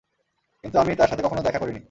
কিন্তু আমি তার সাথে কখনো দেখা করিনি।